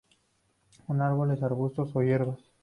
Son árboles, arbustos o hierbas.